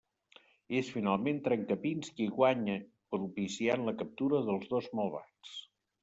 És finalment Trencapins qui guanya propiciant la captura dels dos malvats.